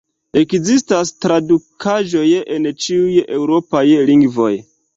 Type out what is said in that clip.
Ekzistas tradukaĵoj en ĉiuj eŭropaj lingvoj.